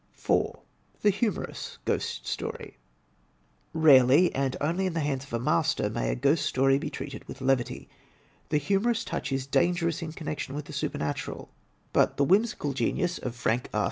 4, The Humorous Ghost Story Rarely, and only in the hands of a master, may a Ghost Story be treated with levity. The humorous touch is dan gerous in connection with the supernatural. But the whim *< i GHOST STORIES 35 sical genius of Frank R.